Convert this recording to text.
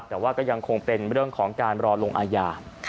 แต่ว่าก็ยังคงเป็นเรื่องของการรอลงอาญา